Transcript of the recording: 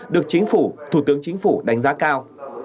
được chính phủ thủ tướng chính phủ đánh giá cao